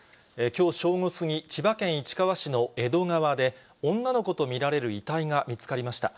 きょう正午過ぎ、千葉県市川市の江戸川で、女の子と見られる遺体が見つかりました。